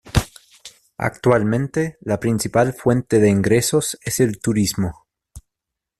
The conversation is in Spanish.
Actualmente, la principal fuente de ingresos es el turismo.